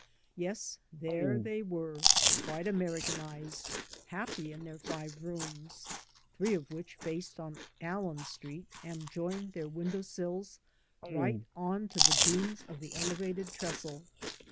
Yes, there they were, quite Americanized, happy in their five rooms, three of which faced on Allen Street and joined their window sills right on to the beams of the Elevated trestle.